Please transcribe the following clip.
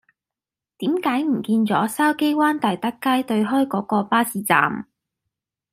點解唔見左筲箕灣大德街對開嗰個巴士站